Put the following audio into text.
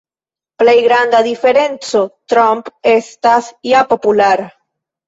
Plej granda diferenco: Trump estas ja populara.